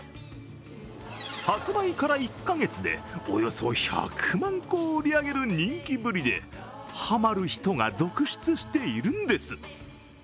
発売から１カ月でおよそ１００万個を売り上げる人気ぶりでハマる人が続出しているんです。